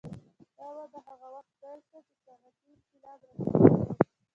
دا وده هغه وخت پیل شوه چې صنعتي انقلاب راوټوکېد.